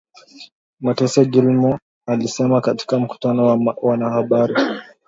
mateso Gilmore alisema katika mkutano na wanahabari